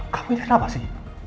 kamu ini kenapa sih